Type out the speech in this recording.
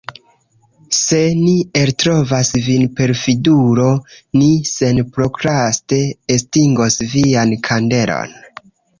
Se ni eltrovas vin perfidulo, ni senprokraste estingos vian kandelon.